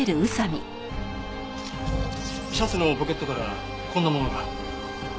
シャツのポケットからこんなものが。